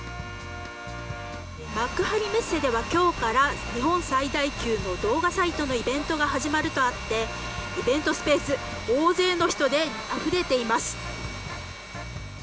幕張メッセでは今日から日本最大級の動画サイトのイベントが始まるとあってイベントスペース大勢の人であふれています。